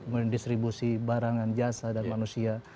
kemudian distribusi barangan jasa dan manusia